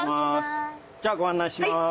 じゃあご案内します。